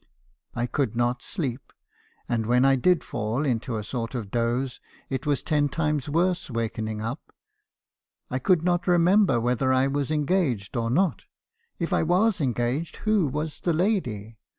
I could not sleep ; and when I did fall into a sort of doze, it was ten times worse wakening up. I could not remember whether I was engaged or not. If I was engaged, who was the lady?